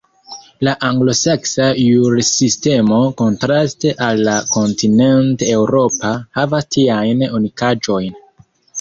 La anglosaksa jursistemo, kontraste al la kontinent-eŭropa, havas tiajn unikaĵojn.